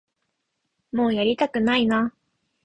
もうやりたくないな